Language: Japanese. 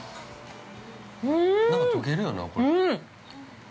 なんか溶けるよな。